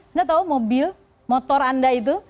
anda tahu mobil motor anda itu